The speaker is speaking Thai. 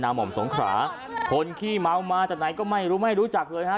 หม่อมสงขราคนขี้เมามาจากไหนก็ไม่รู้ไม่รู้จักเลยฮะ